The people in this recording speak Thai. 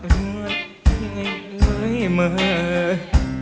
เมื่อยเมื่อยเมื่อยเมย์